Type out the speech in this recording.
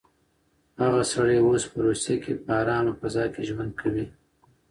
هغه سړی اوس په روسيه کې په ارامه فضا کې ژوند کوي.